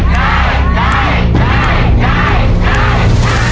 โปรดติดตามตอนต่อไป